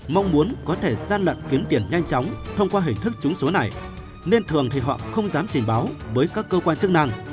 mong muốn có thể gian lận kiếm tiền nhanh chóng thông qua hình thức trúng số này nên thường thì họ không dám trình báo với các cơ quan chức năng